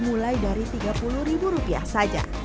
mulai dari tiga puluh ribu rupiah saja